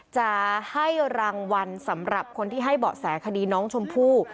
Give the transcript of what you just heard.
จะให้รางวัลสำหรับคนที่ให้เบาะแสคดีน้องชมพู่